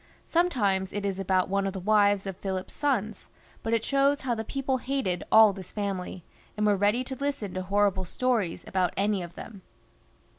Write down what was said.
Sometimes it is about one of the wives of PhiKp's sons ; but it shows how the people hated all this family, and were ready to listen to horrible stories about any of them.